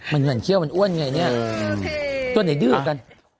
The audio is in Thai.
มันเหมือนเขี้ยวมันอ้วนไงเนี่ยก็ไหนดื้อกัน